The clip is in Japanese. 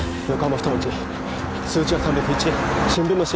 二文字数字は「３０１」新聞の「し」